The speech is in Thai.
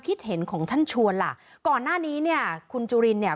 คิดเห็นของท่านชวนล่ะก่อนหน้านี้เนี่ยคุณจุลินเนี่ย